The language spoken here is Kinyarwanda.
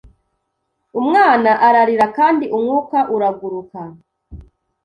umwana ararira Kandi umwuka uraguruka